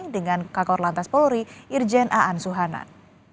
dengan kak korlantas polri irjen a ansuhanan